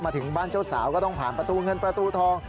ถึงบ้านเจ้าสาวก็ต้องผ่านประตูเงินประตูทอง